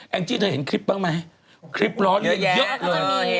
แอ้งจีนเธอเห็นคลิปบ้างไหมคลิปล้อเรียนเยอะเยอะ